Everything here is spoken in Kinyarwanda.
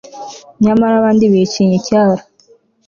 nyamara abandi bicinya icyara